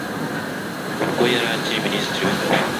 Ubwo yari akiri Minisitiri w’Ingabo,